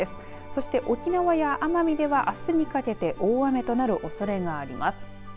そして沖縄や奄美ではあすにかけて大雨となるおそれがあります。